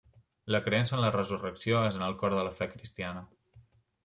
La creença en la resurrecció és en el cor de la fe cristiana.